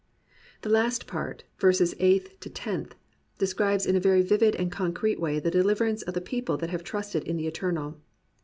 The last part (verses eighth to tenth) describes in a very vivid and concrete way the deliverance of the pec^le that have trusted in the Eternal.